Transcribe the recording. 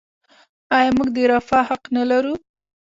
آیا موږ د رفاه حق نلرو؟